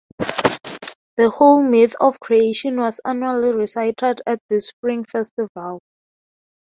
The whole myth of creation was annually recited at this spring festival.